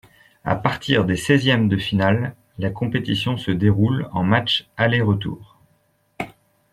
À partir des seizièmes de finale, la compétition se déroule en matchs aller-retour.